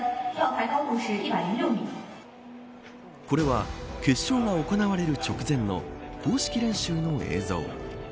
これは決勝が行われる直前の公式練習の映像。